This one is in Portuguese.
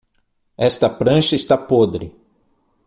Esta prancha está podre